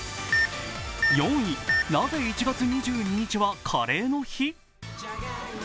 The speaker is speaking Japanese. ４位、なぜ１月２２日はカレーの日？